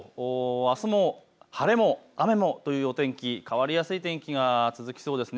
あすも晴れも雨もというお天気、変わりやすいお天気が続きそうです。